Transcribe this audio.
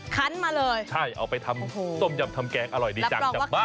คันมาเลยใช่เอาไปทำต้มยำทำแกงอร่อยดีจังจากบ้าน